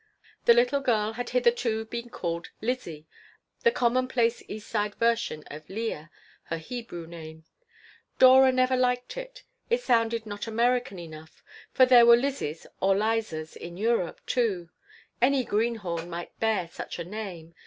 The little girl had hitherto been called Lizzie, the commonplace East Side version of Leah, her Hebrew name. Dora never liked it. It did not sound American enough, for there were Lizzies or Lizas in Europe, too. Any "greenhorn" might bear such a name.